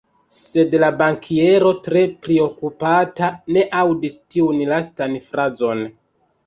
Sed la bankiero tre priokupata ne aŭdis tiun lastan frazon.